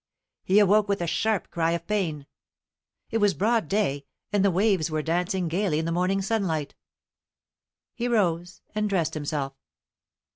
He awoke with a sharp cry of pain. It was broad day, and the waves were dancing gaily in the morning sunlight. He rose and dressed himself.